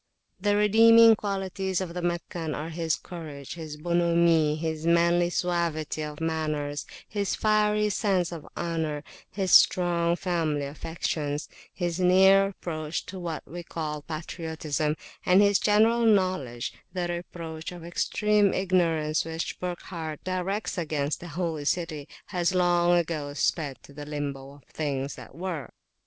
The redeeming qualities of the Meccan are his courage, his bonhommie, his manly suavity of manners, his fiery sense of honour, his strong family affections, his near approach to what we call patriotism, and his general knowledge: the reproach of extreme ignorance which Burckhardt directs against the Holy City has long ago sped to the Limbo of things that were.